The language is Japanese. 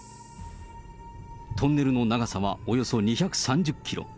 トンネルの長さはおよそ２３０キロ。